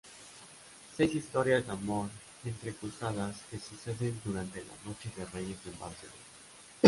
Seis historias de amor entrecruzadas que suceden durante la noche de Reyes en Barcelona.